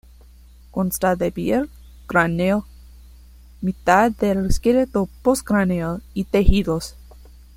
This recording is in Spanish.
Consta de piel, cráneo, mitad del esqueleto postcraneal y tejidos.